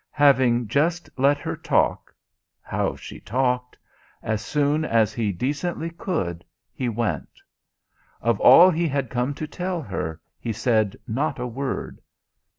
Having just let her talk (how she talked!) as soon as he decently could he went. Of all he had come to tell her he said not a word.